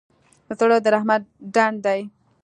زړه د رحمت ډنډ دی.